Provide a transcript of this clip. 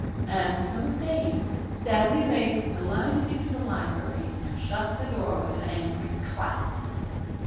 And so saying, Stanley Lake glided into the library and shut the door with an angry clap.